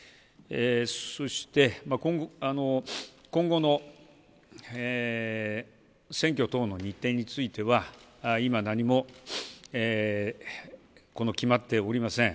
そして今後の選挙等の日程については、今、何も決まっておりません。